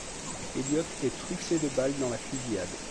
Elliot est truffé de balles dans la fusillade.